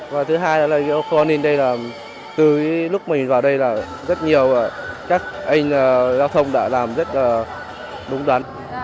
và thứ hai là lễ hội hoa ninh đây là từ lúc mình vào đây là rất nhiều các anh giao thông đã làm rất là đúng đắn